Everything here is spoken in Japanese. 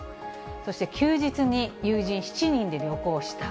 そして休日に友人７人で旅行した。